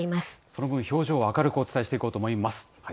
その分、表情は明るくお伝えしていこうと思います。